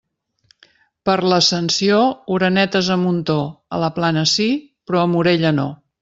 Per l'Ascensió, orenetes a muntó; a la Plana sí, però a Morella no.